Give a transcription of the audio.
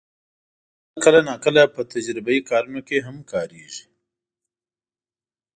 بوتل کله ناکله په تجربهيي کارونو کې هم کارېږي.